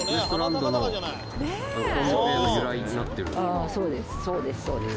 ああそうです。